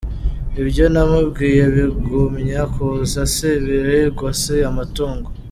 Ibyo namubwiye bigumya kuza Si ibihingwa si amatungo.